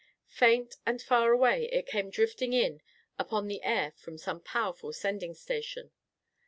Faint and far away, it came drifting in upon the air from some powerful sending station.